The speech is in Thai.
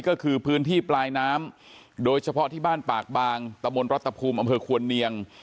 ก็คือพื้นที่ปลายน้ำโดยเฉพาะที่บ้านปากบางตะมนต์รัฐภูมิอำเภอควรเนียง